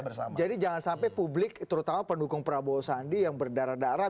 bersama jadi jangan sampai publik terutama pendukung prabowo sandi yang berdarah darah